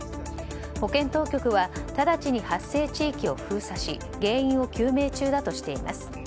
保健当局は直ちに発生地域を封鎖し原因を究明中だとしています。